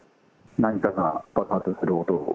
何かが爆発する音を。